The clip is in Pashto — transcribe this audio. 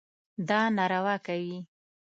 دا ناروا کوي.